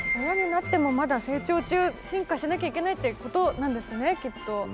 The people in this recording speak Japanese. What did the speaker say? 親になってもまだ成長中進化しなきゃいけないっていうことなんですよねきっと。